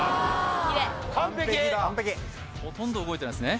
完璧ほとんど動いてないですね